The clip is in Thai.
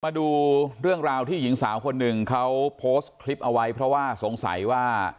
มาดูเรื่องราวที่หญิงสาวคนหนึ่งเขาโพสต์คลิปเอาไว้เพราะว่าสงสัยว่า